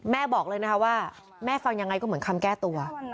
บอกเลยนะคะว่าแม่ฟังยังไงก็เหมือนคำแก้ตัว